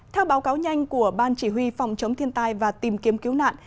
theo báo cáo nhanh của ban chỉ huy phòng chống thiên tai và tìm kiếm cứu nạn